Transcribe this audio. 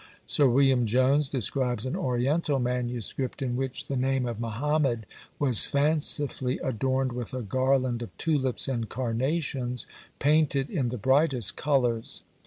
Sir William Jones describes an oriental MS. in which the name of Mohammed was fancifully adorned with a garland of tulips and carnations, painted in the brightest colours.